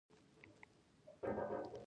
پوځي سرحد د هغوی په خاوره کې پروت وي.